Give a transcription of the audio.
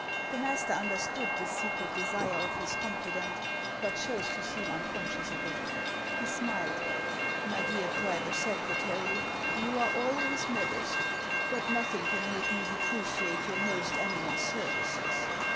The master understood this secret desire of his confi dant, but chose to seem unconscious of it. He smiled. " My dear private secretary, you are always modest ; but nothing can make me depreciate your most eminent services.